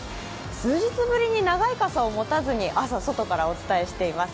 数日ぶりに長い傘を持たずに朝外からお伝えしています。